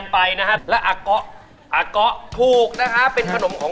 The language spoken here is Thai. เป็นอาหารอ็มาอัสวรนะฮะใช้หอยนั่งลมค่ะ